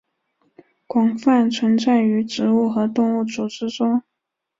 广泛存在于植物和动物组织中。